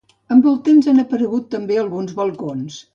Amb el temps han aparegut també alguns balcons.